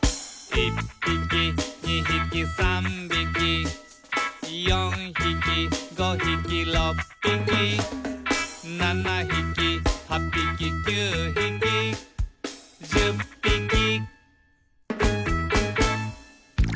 「１ぴき２ひき３びき」「４ひき５ひき６ぴき」「７ひき８ぴき９ひき」「１０ぴき」